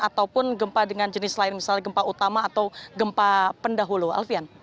ataupun gempa dengan jenis lain misalnya gempa utama atau gempa pendahulu alfian